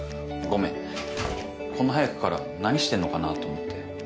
こんな早くから何してんのかなと思って。